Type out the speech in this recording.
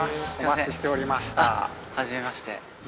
あっはじめまして。